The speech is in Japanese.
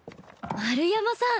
丸山さん